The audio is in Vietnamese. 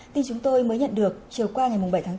tin chúng tôi mới nhận được chiều qua ngày bảy tháng bốn